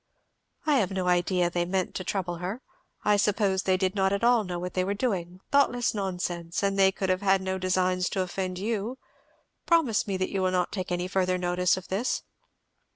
"I have no idea they meant to trouble her I suppose they did not at all know what they were doing, thoughtless nonsense, and they could have had no design to offend you. Promise me that you will not take any further notice of this!"